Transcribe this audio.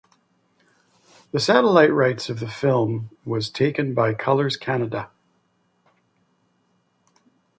The satellite rights of the film was taken by Colors Kannada.